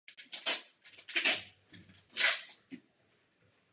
Soutěže čtyřhry se účastnilo šest dvojic.